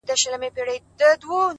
په عزت په شرافت باندي پوهېږي _